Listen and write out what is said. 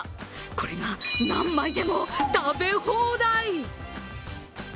これが何枚でも食べ放題。